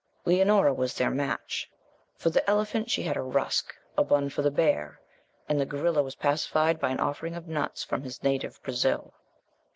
Leonora was their match. For the elephant she had a rusk, a bun for the bear, and the gorilla was pacified by an offering of nuts from his native Brazil.